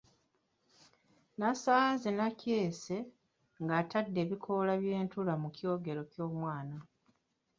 Nasanze Nakyese ng’atadde ebikoola by’entula mu kyogero ky’omwana.